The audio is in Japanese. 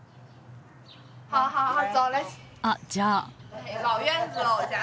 あっじゃあ。